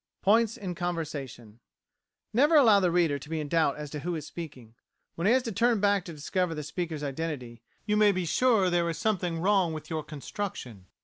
Points in Conversation Never allow the reader to be in doubt as to who is speaking. When he has to turn back to discover the speaker's identity, you may be sure there is something wrong with your construction.